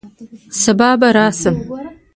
سبا به راشم